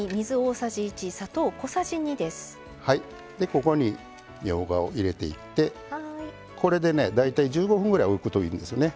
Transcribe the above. ここにみょうがを入れていってこれでね大体１５分ぐらいおくといいんですよね。